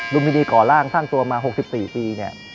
รูมินีก่อร่างสร้างตัวมา๖๔ปี